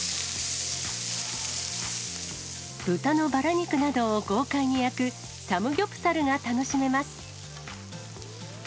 豚のバラ肉などを豪快に焼く、サムギョプサルが楽しめます。